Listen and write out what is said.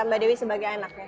sama mbak dewi sebagai anaknya